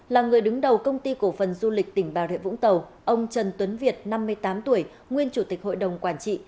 là người đứng đầu công ty cổ phần du lịch tỉnh bà rịa vũng tàu ông trần tuấn việt năm mươi tám tuổi nguyên chủ tịch hội đồng quản trị